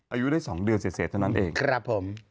อายุได้๒เดือนเสร็จเท่านั้นเองครับผม